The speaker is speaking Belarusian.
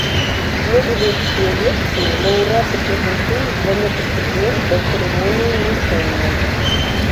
Нобелеўскія лекцыі лаўрэаты прэзентуюць за некалькі дзён да цырымоніі ўручэння.